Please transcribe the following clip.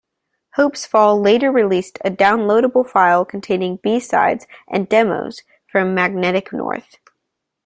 Hopesfall later released a downloadable file containing b-sides and demos from "Magnetic North".